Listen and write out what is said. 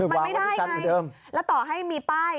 มันไม่ได้ไงแล้วต่อให้มีป้าย